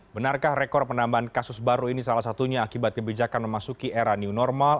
benarkah rekor penambahan kasus baru ini salah satunya akibat kebijakan memasuki era new normal